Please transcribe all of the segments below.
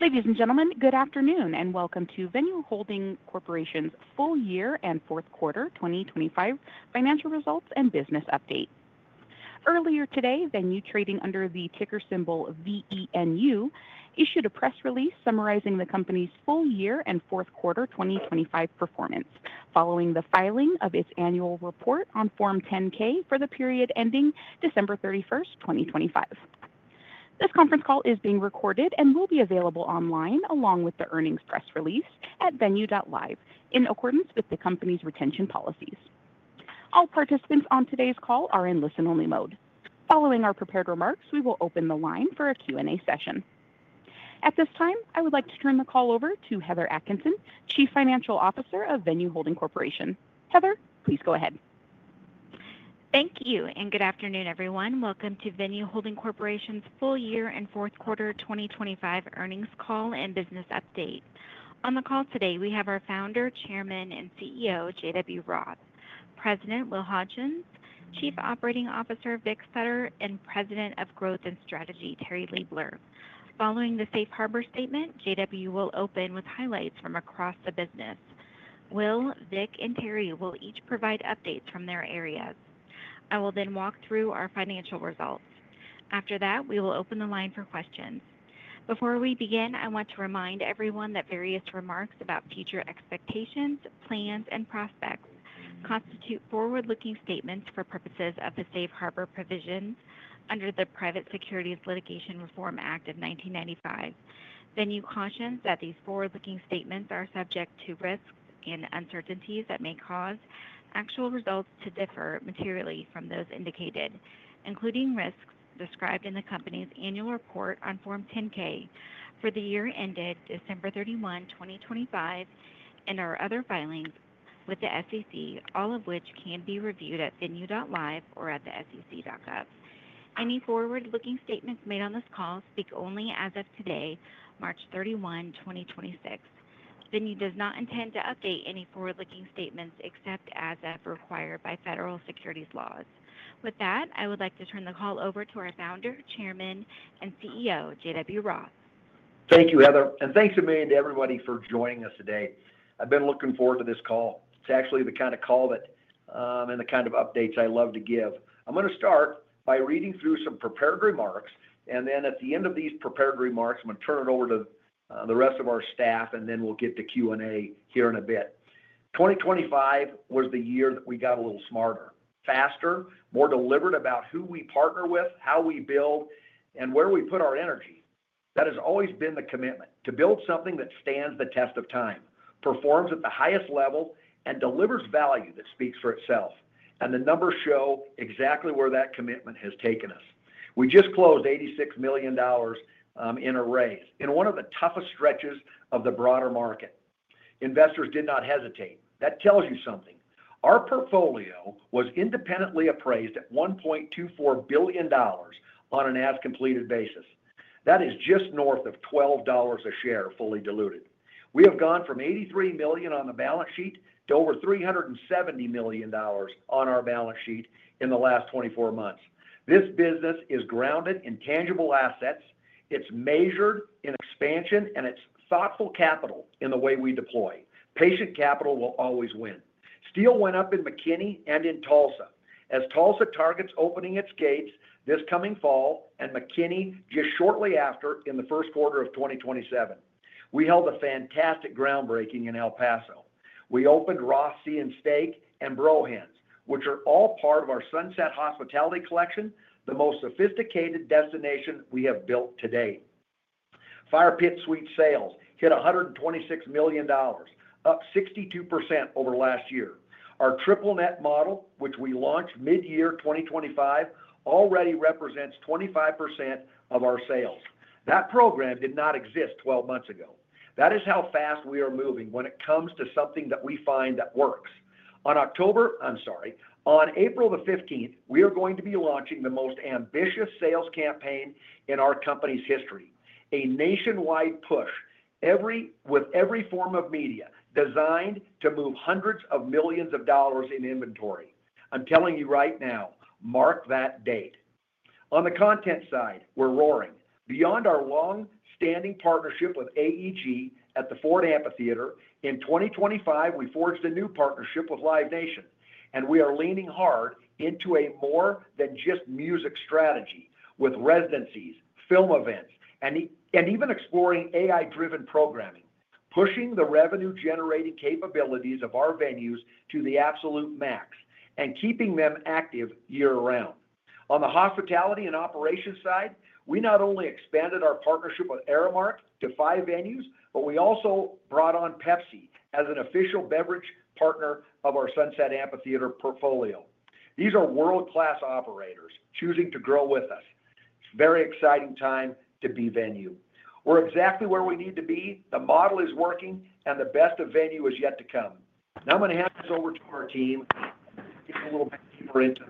Ladies and gentlemen, good afternoon, and welcome to Venu Holding Corporation full year and fourth quarter 2025 financial results and business update. Earlier today, Venu, trading under the ticker symbol VENU, issued a press release summarizing the company's full year and fourth quarter 2025 performance following the filing of its annual report on Form 10-K for the period ending December 31, 2025. This conference call is being recorded and will be available online along with the earnings press release at venu.live in accordance with the company's retention policies. All participants on today's call are in listen-only mode. Following our prepared remarks, we will open the line for a Q&A session. At this time, I would like to turn the call over to Heather Atkinson, Chief Financial Officer of Venu Holding Corporation. Heather, please go ahead. Thank you, and good afternoon, everyone. Welcome to Venu Holding Corporation full year and fourth quarter 2025 earnings call and business update. On the call today, we have our founder, chairman, and CEO, J.W. Roth, President Will Hodgson, Chief Operating Officer Vic Sutter, and President of Growth and Strategy, Terri Liebler. Following the safe harbor statement, J.W. will open with highlights from across the business. Will, Vic, and Terri will each provide updates from their areas. I will then walk through our financial results. After that, we will open the line for questions. Before we begin, I want to remind everyone that various remarks about future expectations, plans, and prospects constitute forward-looking statements for purposes of the safe harbor provisions under the Private Securities Litigation Reform Act of 1995. Venu cautions that these forward-looking statements are subject to risks and uncertainties that may cause actual results to differ materially from those indicated, including risks described in the company's annual report on Form 10-K for the year ended December 31, 2025, and our other filings with the SEC, all of which can be reviewed at venu.live or at sec.gov. Any forward-looking statements made on this call speak only as of today, March 31, 2026. Venu does not intend to update any forward-looking statements except as required by federal securities laws. With that, I would like to turn the call over to our Founder, Chairman, and CEO, J.W. Roth. Thank you, Heather, and thanks a million to everybody for joining us today. I've been looking forward to this call. It's actually the kind of call and the kind of updates I love to give. I'm going to start by reading through some prepared remarks, and then at the end of these prepared remarks, I'm going to turn it over to the rest of our staff, and then we'll get to Q&A here in a bit. 2025 was the year that we got a little smarter, faster, more deliberate about who we partner with, how we build, and where we put our energy. That has always been the commitment to build something that stands the test of time, performs at the highest level, and delivers value that speaks for itself. The numbers show exactly where that commitment has taken us. We just closed $86 million in a raise. In one of the toughest stretches of the broader market, investors did not hesitate. That tells you something. Our portfolio was independently appraised at $1.24 billion on an as-completed basis. That is just north of $12 a share, fully diluted. We have gone from $83 million on the balance sheet to over $370 million on our balance sheet in the last 24 months. This business is grounded in tangible assets, it's measured in expansion, and it's thoughtful capital in the way we deploy. Patient capital will always win. Steel went up in McKinney and in Tulsa. Tulsa targets opening its gates this coming fall and McKinney just shortly after in the first quarter of 2027. We held a fantastic groundbreaking in El Paso. We opened Roth's Sea & Steak and Brohan's, which are all part of our Sunset Hospitality Collection, the most sophisticated destination we have built to date. Fire Suite sales hit $126 million, up 62% over last year. Our triple-net model, which we launched mid-year 2025, already represents 25% of our sales. That program did not exist 12 months ago. That is how fast we are moving when it comes to something that we find that works. On April 15, we are going to be launching the most ambitious sales campaign in our company's history, a nationwide push with every form of media designed to move hundreds of millions of dollars in inventory. I'm telling you right now, mark that date. On the content side, we're roaring. Beyond our long-standing partnership with AEG at the Ford Amphitheatre, in 2025, we forged a new partnership with Live Nation, and we are leaning hard into a more than just music strategy with residencies, film events, and even exploring AI-driven programming, pushing the revenue-generating capabilities of our venues to the absolute max and keeping them active year-round. On the hospitality and operations side, we not only expanded our partnership with Aramark to five venues, but we also brought on Pepsi as an official beverage partner of our Sunset Amphitheater portfolio. These are world-class operators choosing to grow with us. It's a very exciting time to be Venu. We're exactly where we need to be. The model is working, and the best of Venu is yet to come. Now I'm going to hand this over to our team to get a little bit deeper into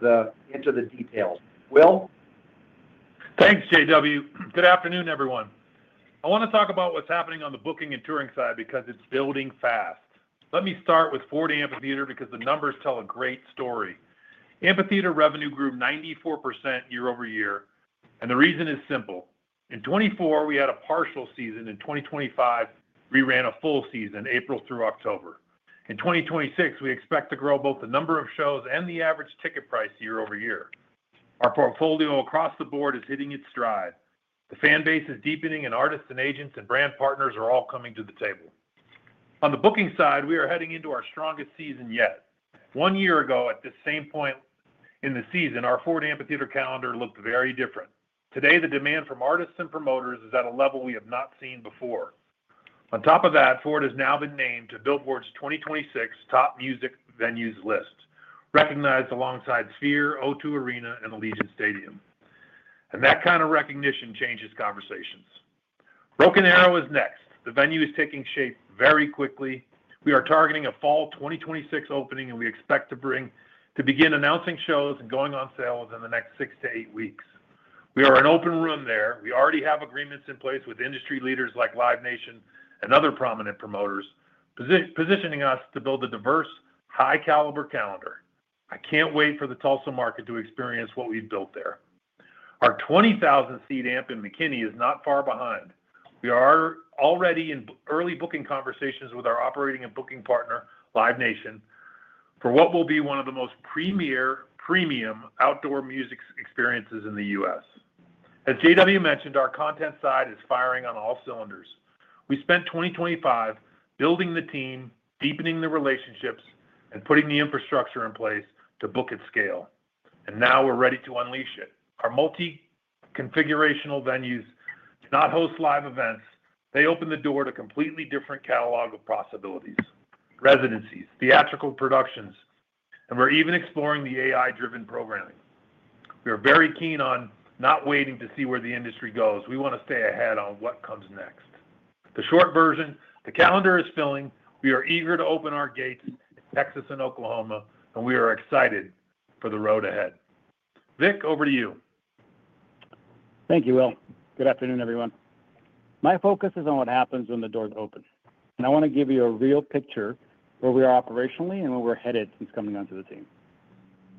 the details. Will? Thanks, J.W. Good afternoon, everyone. I want to talk about what's happening on the booking and touring side because it's building fast. Let me start with Ford Amphitheatre because the numbers tell a great story. Amphitheater revenue grew 94% year-over-year. The reason is simple. In 2024, we had a partial season. In 2025, we ran a full season, April through October. In 2026, we expect to grow both the number of shows and the average ticket price year-over-year. Our portfolio across the board is hitting its stride. The fan base is deepening, and artists and agents and brand partners are all coming to the table. On the booking side, we are heading into our strongest season yet. One year ago, at this same point in the season, our Ford Amphitheatre calendar looked very different. Today, the demand from artists and promoters is at a level we have not seen before. On top of that, Ford has now been named to Billboard's 2026 Top Music Venues list, recognized alongside Sphere, O2 Arena, and Allegiant Stadium. That kind of recognition changes conversations. Broken Arrow is next. The venue is taking shape very quickly. We are targeting a fall 2026 opening, and we expect to begin announcing shows and going on sales in the next six to eight weeks. We are an open room there. We already have agreements in place with industry leaders like Live Nation and other prominent promoters, positioning us to build a diverse, high-caliber calendar. I can't wait for the Tulsa market to experience what we've built there. Our 20,000-seat amp in McKinney is not far behind. We are already in early booking conversations with our operating and booking partner, Live Nation, for what will be one of the most premier, premium outdoor music experiences in the U.S. As J.W. mentioned, our content side is firing on all cylinders. We spent 2025 building the team, deepening the relationships, and putting the infrastructure in place to book at scale, and now we're ready to unleash it. Our multi-configurational venues do not host live events. They open the door to a completely different catalog of possibilities, residencies, theatrical productions, and we're even exploring the AI-driven programming. We are very keen on not waiting to see where the industry goes. We want to stay ahead on what comes next. The short version, the calendar is filling. We are eager to open our gates in Texas and Oklahoma, and we are excited for the road ahead. Vic, over to you. Thank you, Will. Good afternoon, everyone. My focus is on what happens when the doors open, and I want to give you a real picture where we are operationally and where we're headed since coming onto the team.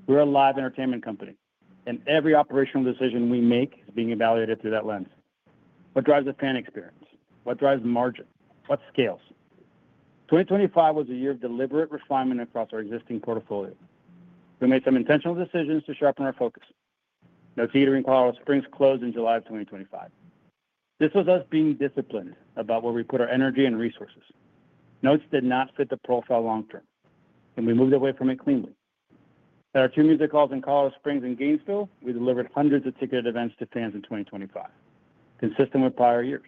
We're a live entertainment company, and every operational decision we make is being evaluated through that lens. What drives the fan experience? What drives margin? What scales? 2025 was a year of deliberate refinement across our existing portfolio. We made some intentional decisions to sharpen our focus. Notes Theater in Colorado Springs closed in July of 2025. This was us being disciplined about where we put our energy and resources. Notes did not fit the profile long term, and we moved away from it cleanly. At our two music halls in Colorado Springs and Gainesville, we delivered hundreds of ticketed events to fans in 2025, consistent with prior years.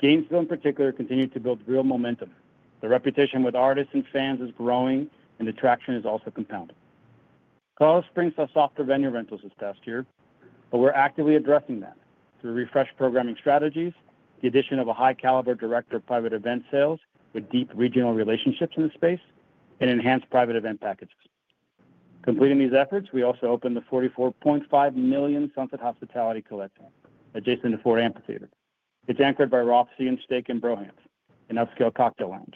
Gainesville, in particular, continued to build real momentum. The reputation with artists and fans is growing, and the traction is also compounding. Colorado Springs saw softer venue rentals this past year, but we're actively addressing that through refreshed programming strategies, the addition of a high-caliber director of private event sales with deep regional relationships in the space, and enhanced private event packages. Completing these efforts, we also opened the $44.5 million Sunset Hospitality Collection adjacent to Ford Amphitheater. It's anchored by Roth's Sea & Steak and Brohan's, an upscale cocktail lounge.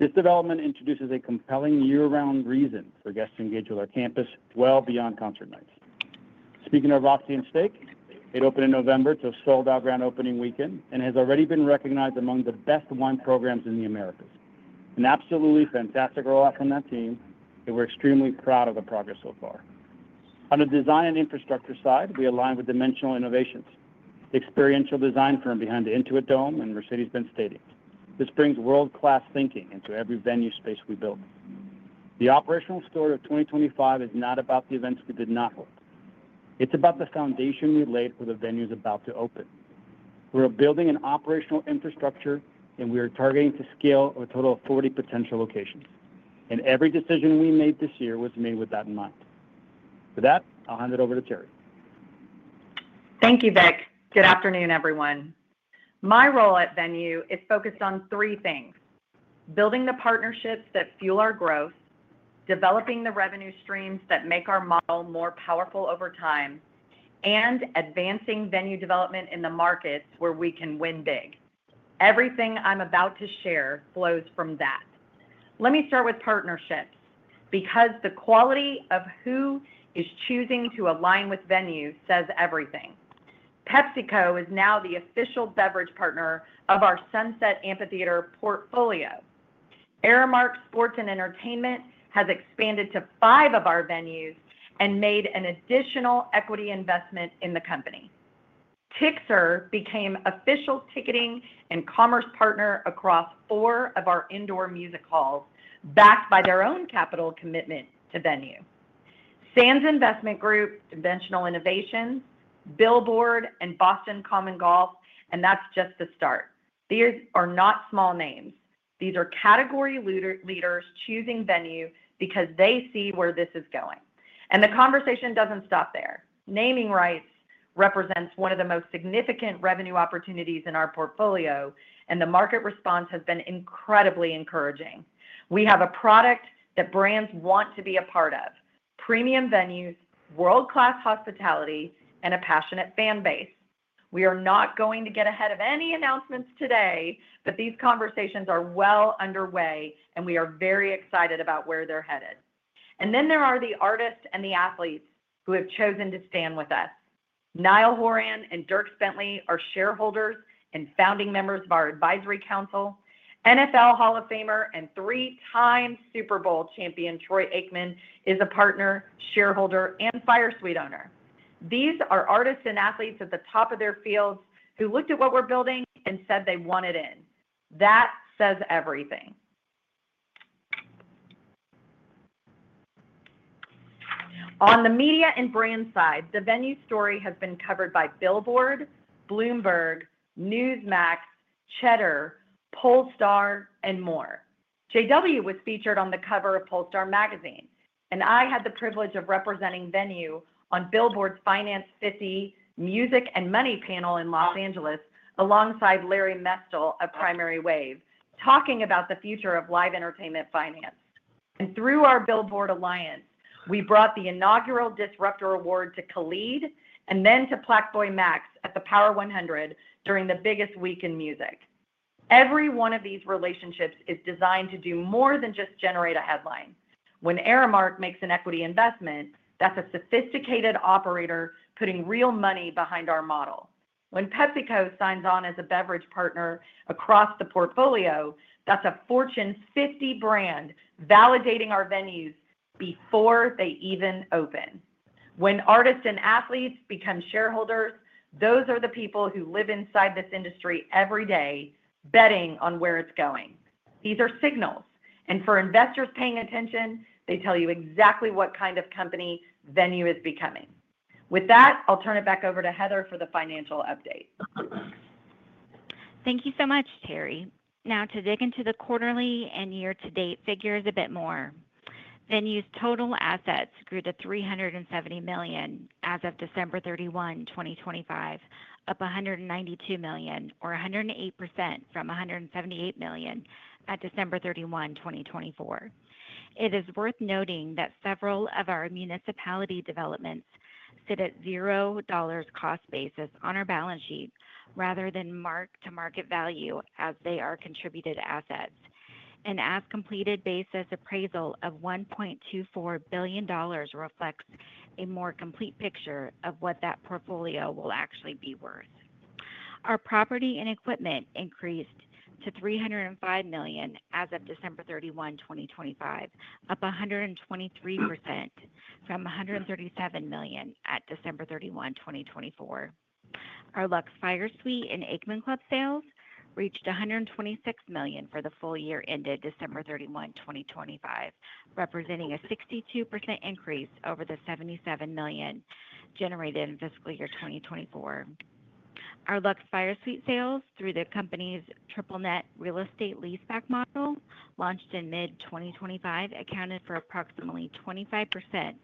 This development introduces a compelling year-round reason for guests to engage with our campus well beyond concert nights. Speaking of Roth's Sea & Steak, it opened in November to a sold-out grand opening weekend and has already been recognized among the best wine programs in the Americas. An absolutely fantastic rollout from that team, and we're extremely proud of the progress so far. On the design and infrastructure side, we align with Dimensional Innovations, the experiential design firm behind the Intuit Dome and Mercedes-Benz Stadium. This brings world-class thinking into every venue space we build. The operational story of 2025 is not about the events that did not work. It's about the foundation we laid for the venues about to open. We're building an operational infrastructure, and we are targeting to scale a total of 40 potential locations, and every decision we made this year was made with that in mind. With that, I'll hand it over to Terri. Thank you, Vic. Good afternoon, everyone. My role at Venu is focused on three things: building the partnerships that fuel our growth, developing the revenue streams that make our model more powerful over time, and advancing venue development in the markets where we can win big. Everything I'm about to share flows from that. Let me start with partnerships because the quality of who is choosing to align with Venu says everything. PepsiCo is now the official beverage partner of our Sunset Amphitheater portfolio. Aramark Sports + Entertainment has expanded to five of our venues and made an additional equity investment in the company. Tixr became official ticketing and commerce partner across four of our indoor music halls, backed by their own capital commitment to Venu. Sands Investment Group, Dimensional Innovations, Billboard, and Boston Common Golf, and that's just the start. These are not small names. These are category leaders choosing Venu because they see where this is going. The conversation doesn't stop there. Naming rights represents one of the most significant revenue opportunities in our portfolio, and the market response has been incredibly encouraging. We have a product that brands want to be a part of, premium venues, world-class hospitality, and a passionate fan base. We are not going to get ahead of any announcements today, but these conversations are well underway, and we are very excited about where they're headed. There are the artists and the athletes who have chosen to stand with us. Niall Horan and Dierks Bentley are shareholders and founding members of our advisory council. NFL Hall of Famer and three-time Super Bowl champion Troy Aikman is a partner, shareholder, and Fire Suite owner. These are artists and athletes at the top of their fields who looked at what we're building and said they wanted in. That says everything. On the media and brand side, the Venu story has been covered by Billboard, Bloomberg, Newsmax, Cheddar, Pollstar, and more. J.W. was featured on the cover of Pollstar Magazine, and I had the privilege of representing Venu on Billboard's Finance 50 Music & Money panel in Los Angeles alongside Larry Mestel of Primary Wave, talking about the future of live entertainment finance. Through our Billboard alliance, we brought the inaugural Disruptor Award to Khalid and then to PlaqueBoyMax at the Power 100 during the biggest week in music. Every one of these relationships is designed to do more than just generate a headline. When Aramark makes an equity investment, that's a sophisticated operator putting real money behind our model. When PepsiCo signs on as a beverage partner across the portfolio, that's a Fortune 50 brand validating our venues before they even open. When artists and athletes become shareholders, those are the people who live inside this industry every day betting on where it's going. These are signals, and for investors paying attention, they tell you exactly what kind of company Venu is becoming. With that, I'll turn it back over to Heather for the financial update. Thank you so much, Terri. Now to dig into the quarterly and year-to-date figures a bit more. Venu's total assets grew to $370 million as of December 31, 2025, up $192 million or 108% from $178 million at December 31, 2024. It is worth noting that several of our municipality developments sit at $0 cost basis on our balance sheet rather than mark-to-market value as they are contributed assets. An as-completed basis appraisal of $1.24 billion reflects a more complete picture of what that portfolio will actually be worth. Our property and equipment increased to $305 million as of December 31, 2025, up 123% from $137 million at December 31, 2024. Our Luxe FireSuite and Aikman Club sales reached $126 million for the full year ended December 31, 2025, representing a 62% increase over the $77 million generated in fiscal year 2024. Our Luxe FireSuite sales through the company's triple-net real estate leaseback model launched in mid-2025 accounted for approximately 25%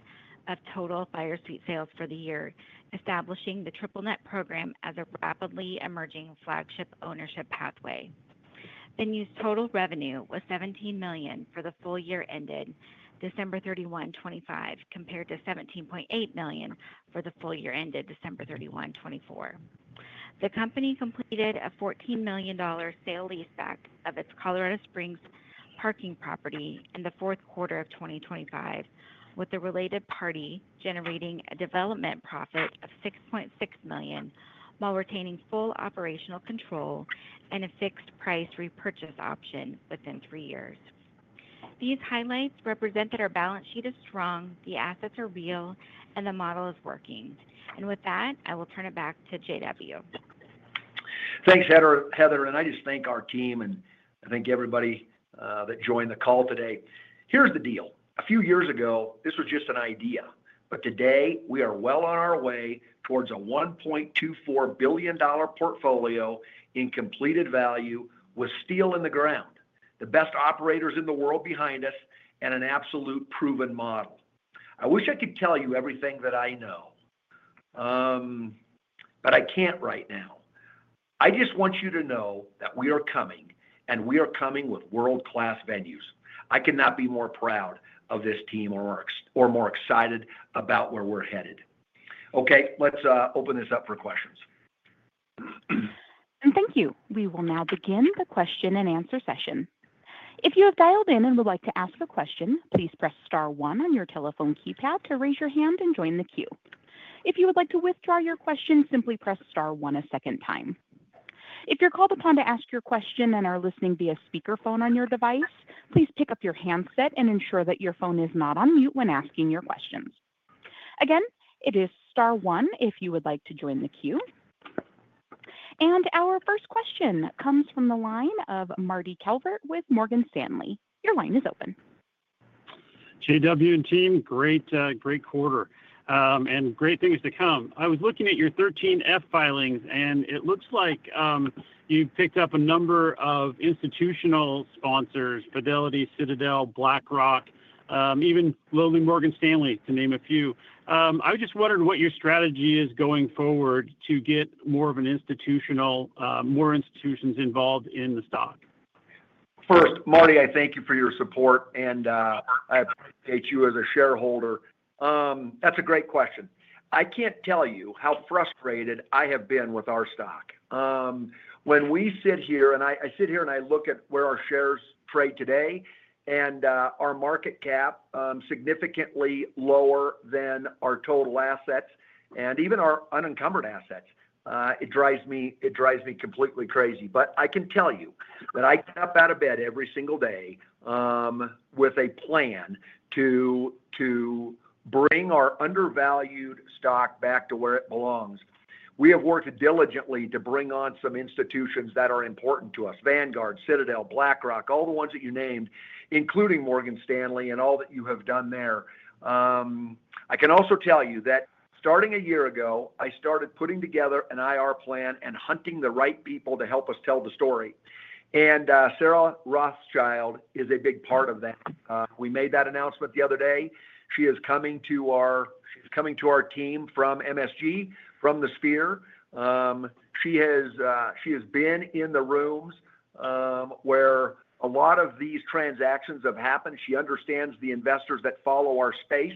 of total fire suite sales for the year, establishing the triple-net program as a rapidly emerging flagship ownership pathway. Venu's total revenue was $17 million for the full year ended December 31, 2025, compared to $17.8 million for the full year ended December 31, 2024. The company completed a $14 million sale-leaseback of its Colorado Springs parking property in the fourth quarter of 2025, with the related party generating a development profit of $6.6 million while retaining full operational control and a fixed price repurchase option within three years. These highlights represent that our balance sheet is strong, the assets are real, and the model is working. With that, I will turn it back to J.W. Thanks, Heather. I just thank our team, and I thank everybody that joined the call today. Here's the deal. A few years ago, this was just an idea, but today we are well on our way towards a $1.24 billion portfolio in completed value with steel in the ground, the best operators in the world behind us, and an absolute proven model. I wish I could tell you everything that I know, but I can't right now. I just want you to know that we are coming, and we are coming with world-class venues. I could not be more proud of this team or more excited about where we're headed. Okay, let's open this up for questions. Thank you. We will now begin the question-and-answer session. If you have dialed in and would like to ask a question, please press star one on your telephone keypad to raise your hand and join the queue. If you would like to withdraw your question, simply press star one a second time. If you're called upon to ask your question and are listening via speakerphone on your device, please pick up your handset and ensure that your phone is not on mute when asking your questions. Again, it is star one if you would like to join the queue. Our first question comes from the line of Marty Calvert with Morgan Stanley. Your line is open. J.W. and team, great quarter and great things to come. I was looking at your 13F filings, and it looks like you've picked up a number of institutional sponsors, Fidelity, Citadel, BlackRock, even lowly Morgan Stanley, to name a few. I just wondered what your strategy is going forward to get more institutions involved in the stock. First, Marty, I thank you for your support, and I appreciate you as a shareholder. That's a great question. I can't tell you how frustrated I have been with our stock. When we sit here, and I sit here and I look at where our shares trade today and our market cap, significantly lower than our total assets and even our unencumbered assets, it drives me completely crazy. I can tell you that I get up out of bed every single day, with a plan to bring our undervalued stock back to where it belongs. We have worked diligently to bring on some institutions that are important to us, Vanguard, Citadel, BlackRock, all the ones that you named, including Morgan Stanley and all that you have done there. I can also tell you that starting a year ago, I started putting together an IR plan and hunting the right people to help us tell the story. Sarah Rothschild is a big part of that. We made that announcement the other day. She is coming to our team from MSG, from the Sphere. She has been in the rooms where a lot of these transactions have happened. She understands the investors that follow our space.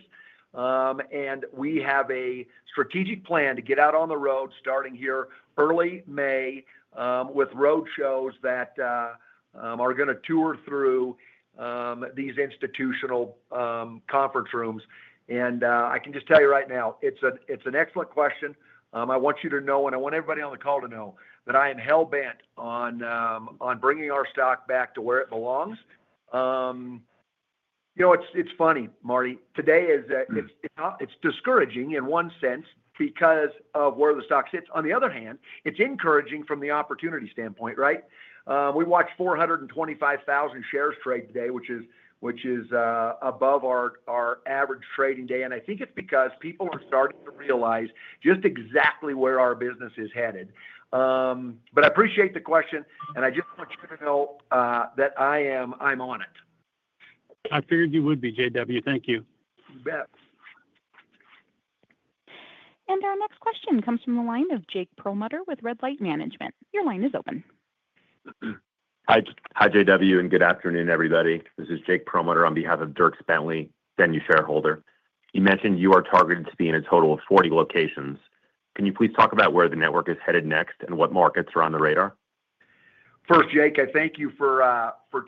We have a strategic plan to get out on the road starting here early May with road shows that are gonna tour through these institutional conference rooms. I can just tell you right now, it's an excellent question. I want you to know, and I want everybody on the call to know that I am hell-bent on bringing our stock back to where it belongs. You know, it's funny, Marty. Today is discouraging in one sense because of where the stock sits. On the other hand, it's encouraging from the opportunity standpoint, right? We watched 425,000 shares trade today, which is above our average trading day. I think it's because people are starting to realize just exactly where our business is headed. I appreciate the question, and I just want you to know that I am. I'm on it. I figured you would be, J.W. Thank you. You bet. Our next question comes from the line of Jake Perlmutter with Red Light Management. Your line is open. Hi, J.W., and good afternoon, everybody. This is Jake Perlmutter on behalf of Dierks Bentley, Venu shareholder. You mentioned you are targeted to be in a total of 40 locations. Can you please talk about where the network is headed next and what markets are on the radar? First, Jake, I thank you for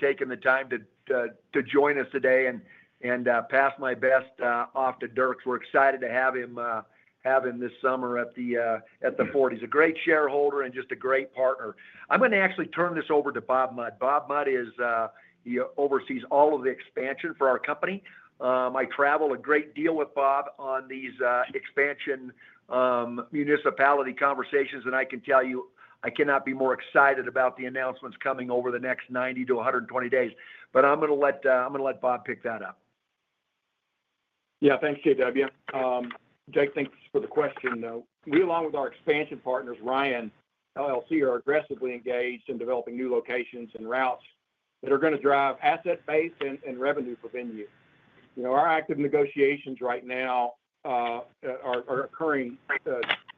taking the time to join us today and pass my best off to Dirks. We're excited to have him this summer at The Ford. He's a great shareholder and just a great partner. I'm gonna actually turn this over to Robert Mudd. Robert Mudd is. He oversees all of the expansion for our company. I travel a great deal with Bob on these expansion municipality conversations, and I can tell you I cannot be more excited about the announcements coming over the next 90-120 days. I'm gonna let Bob pick that up. Yeah. Thanks, J.W. Jake, thanks for the question, though. We, along with our expansion partners, Ryan, LLC, are aggressively engaged in developing new locations and routes that are gonna drive asset base and revenue for Venu. You know, our active negotiations right now are occurring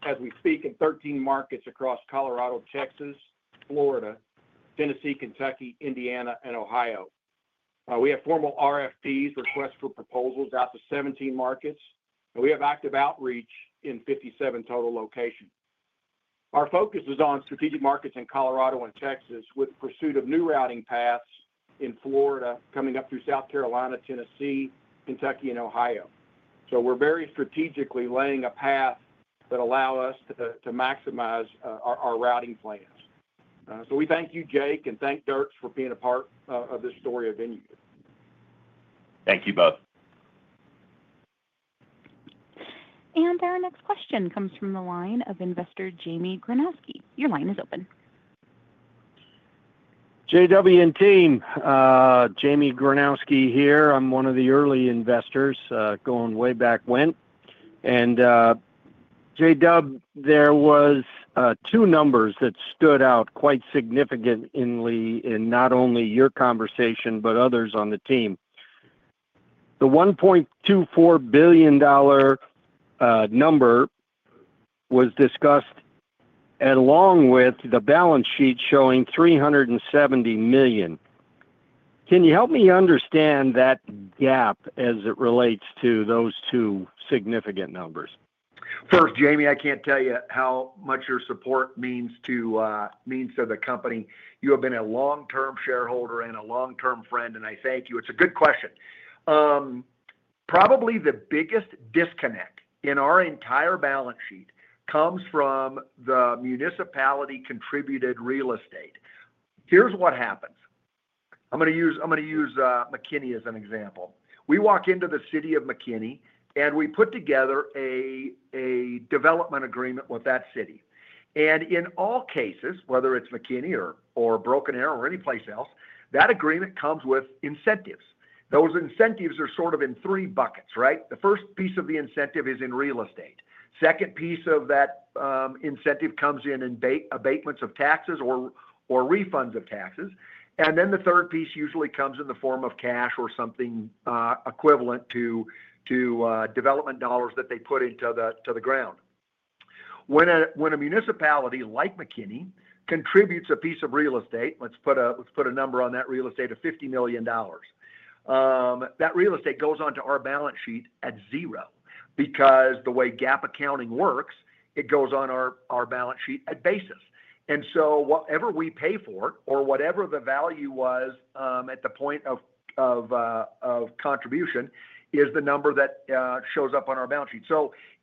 as we speak in 13 markets across Colorado, Texas, Florida, Tennessee, Kentucky, Indiana, and Ohio. We have formal RFPs, request for proposals, out to 17 markets, and we have active outreach in 57 total locations. Our focus is on strategic markets in Colorado and Texas with pursuit of new routing paths in Florida coming up through South Carolina, Tennessee, Kentucky, and Ohio. We're very strategically laying a path that allow us to maximize our routing plans. We thank you, Jake, and thank Dierks for being a part of this story of Venu. Thank you both. Our next question comes from the line of investor Jamie Gronowski. Your line is open. J.W. and team, Jamie Gronowski here. I'm one of the early investors, going way back when. J.W., there was two numbers that stood out quite significantly in not only your conversation but others on the team. The $1.24 billion number was discussed along with the balance sheet showing $370 million. Can you help me understand that gap as it relates to those two significant numbers? First, Jamie, I can't tell you how much your support means to the company. You have been a long-term shareholder and a long-term friend, and I thank you. It's a good question. Probably the biggest disconnect in our entire balance sheet comes from the municipality contributed real estate. Here's what happens. I'm gonna use McKinney as an example. We walk into the city of McKinney, and we put together a development agreement with that city. In all cases, whether it's McKinney or Broken Arrow or anyplace else, that agreement comes with incentives. Those incentives are sort of in three buckets, right? The first piece of the incentive is in real estate. Second piece of that incentive comes in abatements of taxes or refunds of taxes. Then the third piece usually comes in the form of cash or something equivalent to development dollars that they put into the ground. When a municipality like McKinney contributes a piece of real estate, let's put a number on that real estate of $50 million, that real estate goes onto our balance sheet at zero because the way GAAP accounting works, it goes on our balance sheet at basis. Whatever we pay for it or whatever the value was at the point of contribution is the number that shows up on our balance sheet.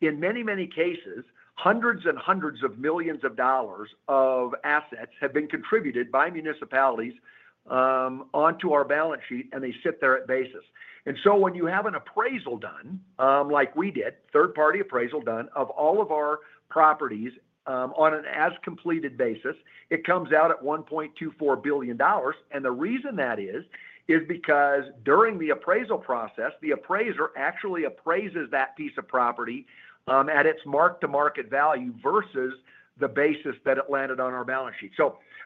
In many cases, hundreds and hundreds of millions of dollars of assets have been contributed by municipalities onto our balance sheet, and they sit there at basis. When you have an appraisal done, like we did, third-party appraisal done of all of our properties, on an as-completed basis, it comes out at $1.24 billion, and the reason that is because during the appraisal process, the appraiser actually appraises that piece of property at its mark-to-market value versus the basis that it landed on our balance sheet.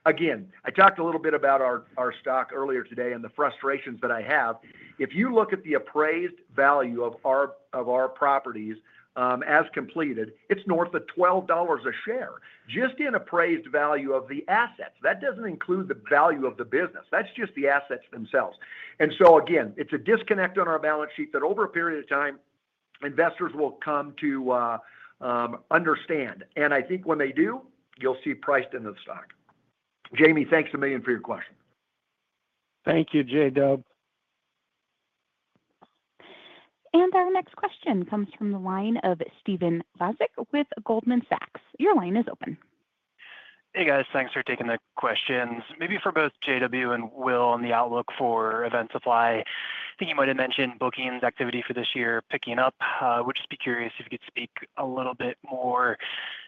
Again, I talked a little bit about our stock earlier today and the frustrations that I have. If you look at the appraised value of our properties, as completed, it's north of $12 a share, just in appraised value of the assets. That doesn't include the value of the business. That's just the assets themselves. Again, it's a disconnect on our balance sheet that over a period of time, investors will come to understand. I think when they do, you'll see priced into the stock. Jamie, thanks a million for your question. Thank you, J.W. Our next question comes from the line of Stephen Laszczyk with Goldman Sachs. Your line is open. Hey, guys. Thanks for taking the questions. Maybe for both J.W. and Will on the outlook for Event Supply. I think you might have mentioned bookings activity for this year picking up. Would just be curious if you could speak a little bit more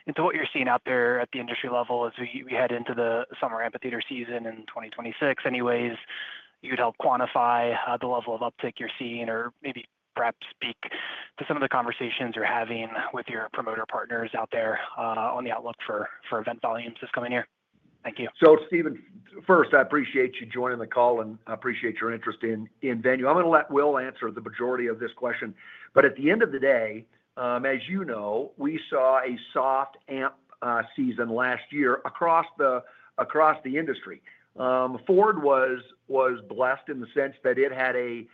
into what you're seeing out there at the industry level as we head into the summer amphitheater season in 2026 anyways. You could help quantify the level of uptick you're seeing or maybe perhaps speak to some of the conversations you're having with your promoter partners out there on the outlook for event volumes this coming year. Thank you. Stephen, first, I appreciate you joining the call and appreciate your interest in Venu. I'm gonna let Will answer the majority of this question. At the end of the day, as you know, we saw a soft amp season last year across the industry. Ford was blessed in the sense that it had a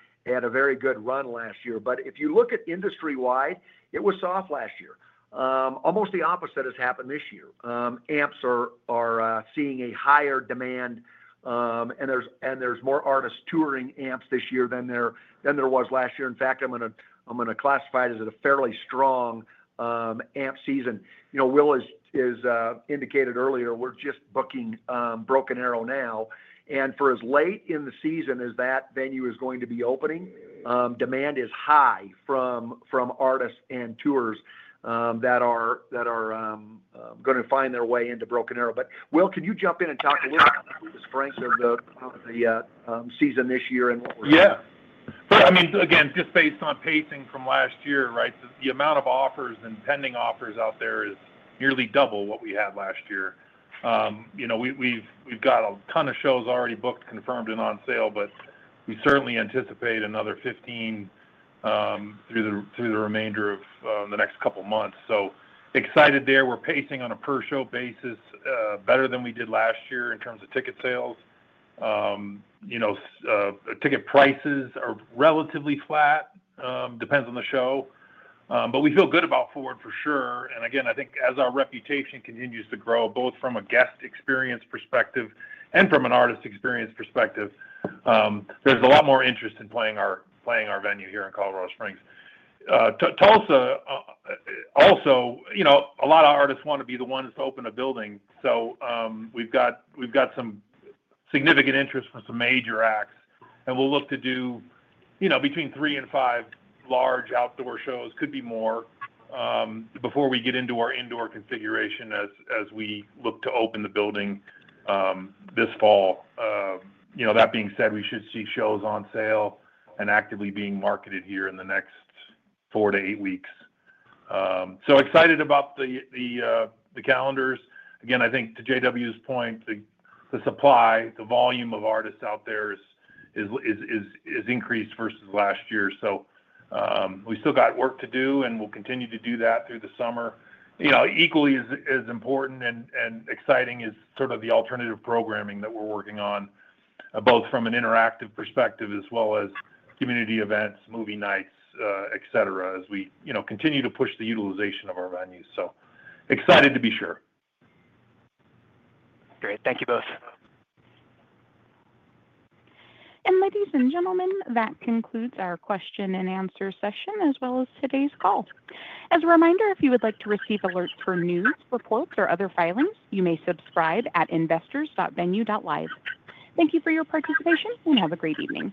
very good run last year. If you look at industry-wide, it was soft last year. Almost the opposite has happened this year. Amps are seeing a higher demand, and there's more artists touring amps this year than there was last year. In fact, I'm gonna classify it as a fairly strong amp season. Will has indicated earlier, we're just booking Broken Arrow now. For as late in the season as that venue is going to be opening, demand is high from artists and tours that are gonna find their way into Broken Arrow. Will, can you jump in and talk a little bit about the strength of the season this year and what we're- Yeah. I mean, again, just based on pacing from last year, right? The amount of offers and pending offers out there is nearly double what we had last year. You know, we've got a ton of shows already booked, confirmed, and on sale, but we certainly anticipate another 15 through the remainder of the next couple months. Excited there. We're pacing on a per show basis, better than we did last year in terms of ticket sales. You know, ticket prices are relatively flat, depends on the show. We feel good about Ford for sure. Again, I think as our reputation continues to grow, both from a guest experience perspective and from an artist experience perspective, there's a lot more interest in playing our venue here in Colorado Springs. Tulsa, also, you know, a lot of artists wanna be the ones to open a building. We've got some significant interest from some major acts, and we'll look to do, you know, between three and five large outdoor shows, could be more, before we get into our indoor configuration as we look to open the building this fall. You know, that being said, we should see shows on sale and actively being marketed here in the next four to eight weeks. Excited about the calendars. Again, I think to J.W.'s point, the supply, the volume of artists out there is increased versus last year. We still got work to do, and we'll continue to do that through the summer. You know, equally as important and exciting is sort of the alternative programming that we're working on, both from an interactive perspective as well as community events, movie nights, et cetera, as we, you know, continue to push the utilization of our venues. Excited to be sure. Great. Thank you both. Ladies and gentlemen, that concludes our question and answer session, as well as today's call. As a reminder, if you would like to receive alerts for news, reports or other filings, you may subscribe at investors.venu.live. Thank you for your participation, and have a great evening.